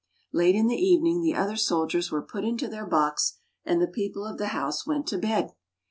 Late in the evening the other soldiers were put into their box, and the people of the house went to bed.